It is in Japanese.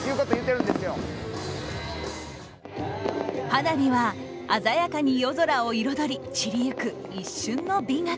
花火は鮮やかに夜空を彩り散りゆく一瞬の美学。